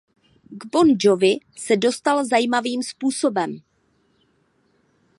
K Bon Jovi se dostal zajímavým způsobem.